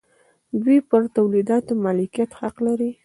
دوی پر تولیداتو مالکیت حق لري.